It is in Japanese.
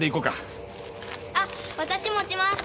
あっ私持ちます。